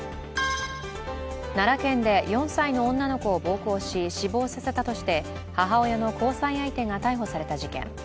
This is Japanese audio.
奈良県で４歳の女の子を暴行し、死亡させたとして母親の交際相手が逮捕された事件。